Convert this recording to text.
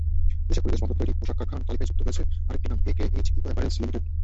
দেশে পরিবেশবান্ধব তৈরি পোশাক কারখানার তালিকায় যুক্ত হয়েছে আরেকটি নাম—একেএইচ ইকো অ্যাপারেলস লিমিটেড।